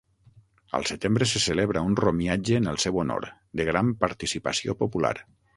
Al setembre se celebra un romiatge en el seu honor, de gran participació popular.